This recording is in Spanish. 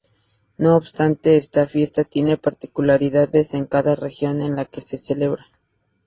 No obstante, esta fiesta tiene particularidades en cada región en la que se celebra.